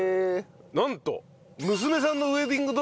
なんと。